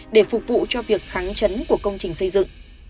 để phục vụ cho việc kháng chấn của công trình xây dựng